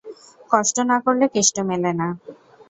কষ্ট না করলে কেষ্ট মেলে না।